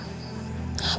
pas juga berbeda